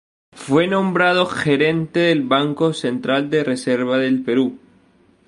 Fue nombrado gerente del Banco Central de Reserva del Perú.